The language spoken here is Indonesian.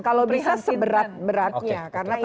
kalau bisa seberat beratnya